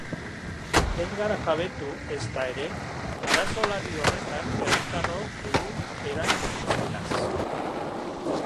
Ez gara jabetu, ezta ere, arazo larri horretan herritarrok dugun erantzukizunaz.